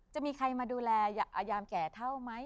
จะมีใครมาดูแลอายามแก่เท่าไหม